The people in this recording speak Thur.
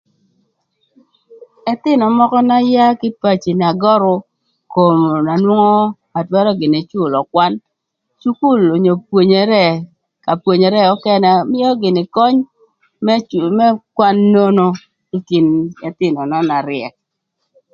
Ëthïnö mökö na yaa kï ï paci na görü kom na nwongo ba twërö gïnï cülö kwan, cukul onyo pwonyere ka pwonyere ökënë, mïö gïnï köny më kwan nono ï kin ëthïnö nön na ryëk.